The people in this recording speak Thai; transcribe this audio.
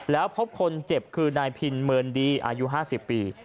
แล้วพบคนเจ็บคือนายพินเมินดีอายุ๕๐ปี